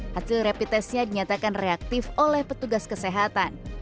hasil rapid testnya dinyatakan reaktif oleh petugas kesehatan